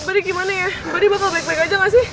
bari gimana ya bari bakal baik baik aja gak sih